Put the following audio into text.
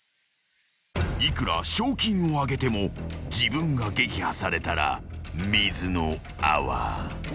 ［いくら賞金を上げても自分が撃破されたら水の泡］